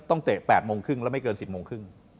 เตะ๘โมงครึ่งและไม่เกิน๑๐โมงครึ่ง